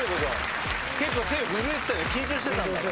結構手震えてたよね、緊張してたんだね。